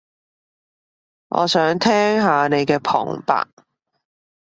我想聽下你嘅旁白